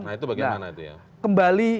nah itu bagaimana itu ya kembali